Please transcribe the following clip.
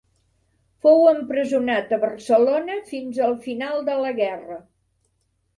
Fou empresonat a Barcelona fins al final de la Guerra.